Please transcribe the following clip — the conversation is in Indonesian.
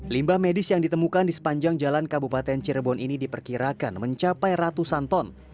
limbah medis yang ditemukan di sepanjang jalan kabupaten cirebon ini diperkirakan mencapai ratusan ton